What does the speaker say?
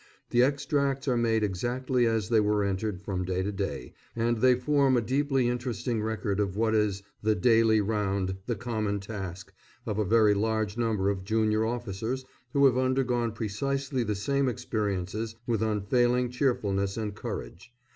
The extracts are made exactly as they were entered from day to day, and they form a deeply interesting record of what is "the daily round, the common task" of a very large number of junior officers who have undergone precisely the same experiences with unfailing cheerfulness and courage.